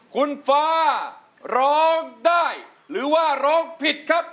คุณฟ้าร้องได้หรือว่าร้องผิดครับ